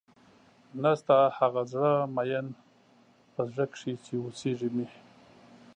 نيشته هغه زړۀ ميئن پۀ زړۀ کښې چې اوسېږي مې